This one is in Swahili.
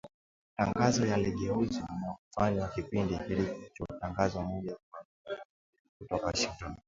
matangazo yaligeuzwa na kufanywa kipindi kilichotangazwa moja kwa moja kutoka Washington